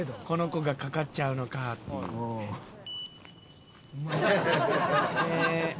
この子がかかっちゃうのかっていう。